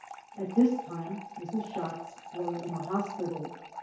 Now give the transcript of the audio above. At this time Mrs. Schatz was in a hospital.